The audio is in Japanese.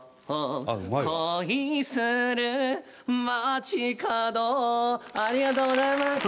「恋する街角」ありがとうございました。